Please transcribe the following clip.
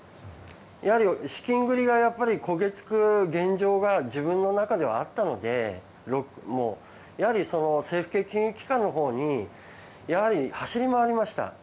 やはり資金繰りが焦げつく現状が自分の中ではあったので政府系金融機関のほう走り回りました。